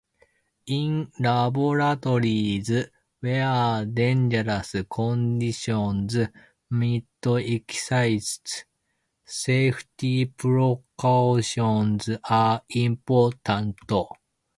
In laboratories where dangerous conditions might exist, safety precautions are important.